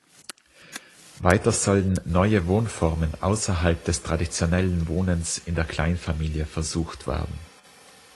Weiter sollen neue Wohnformen ausserhalb des traditionellen Wohnens in der Kleinfamilie versucht werden.